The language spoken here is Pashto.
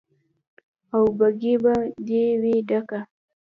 او بګۍ به دې وي ډکه